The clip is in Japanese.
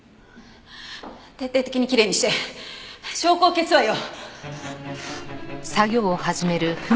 徹底的にきれいにして証拠を消すわよ。